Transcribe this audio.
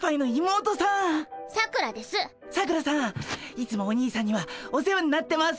いつもお兄さんにはお世話になってます！